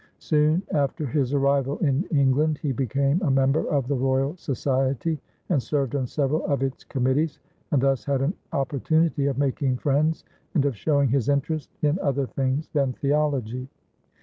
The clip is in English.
Soon after his arrival in England, he became a member of the Royal Society and served on several of its committees, and thus had an opportunity of making friends and of showing his interest in other things than theology.